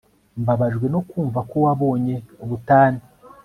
mbabajwe no kumva ko wabonye ubutane